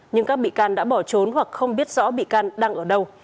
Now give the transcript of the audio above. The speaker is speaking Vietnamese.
nhưng các bị can đã bỏ trốn hoặc không biết rõ bị can đang ở đâu